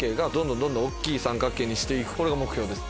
どんどん大きい三角形にして行くこれが目標です。